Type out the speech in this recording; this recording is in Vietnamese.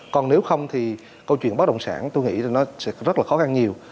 còn nếu không thì câu chuyện bắt đồng sản tôi nghĩ nó sẽ rất là khó khăn nhiều